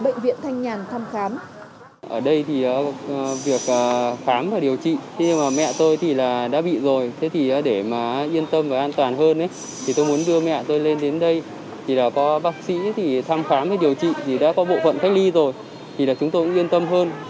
bệnh viện thanh nhàn thăm khám